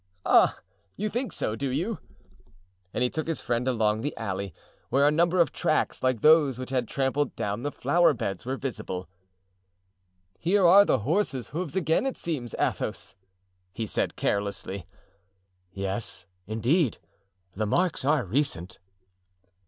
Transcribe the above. "Ah! you think so, do you?" And he took his friend along the alley, where a number of tracks like those which had trampled down the flowerbeds, were visible. "Here are the horse's hoofs again, it seems, Athos," he said carelessly. "Yes, indeed, the marks are recent."